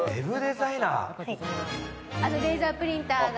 あのレーザープリンターが。